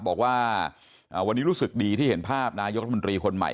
บอกว่าวันนี้รู้สึกดีที่เห็นภาพนายกรัฐมนตรีคนใหม่